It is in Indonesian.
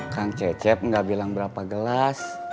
kang cecep nggak bilang berapa gelas